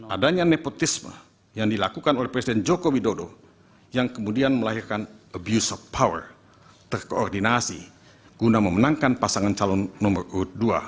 adanya nepotisme yang dilakukan oleh presiden joko widodo yang kemudian melahirkan abuse of power terkoordinasi guna memenangkan pasangan calon nomor urut dua